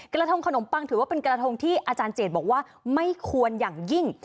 กระทงขนมปังถือว่าเป็นกระทงที่อาจารย์เจดบอกว่าไม่ควรอย่างยิ่ง